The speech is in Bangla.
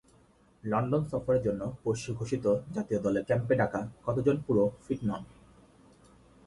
লন্ডন সফরের জন্য পরশু ঘোষিত জাতীয় দলের ক্যাম্পে ডাকা কতজন পুরো ফিট নন?